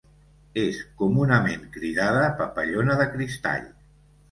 És comunament cridada papallona de cristall.